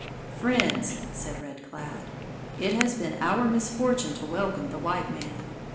"Friends," said Red Cloud, "it has been our misfortune to welcome the white man.